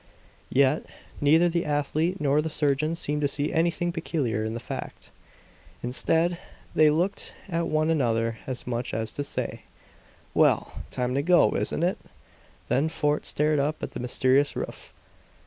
Yet, neither the athlete nor the surgeon seemed to see anything peculiar in the fact. Instead, they looked at one another as much as to say, "Well, time to go, isn't it?" Then Fort stared up at the mysterious roof.